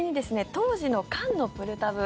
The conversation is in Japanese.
当時の缶のプルタブ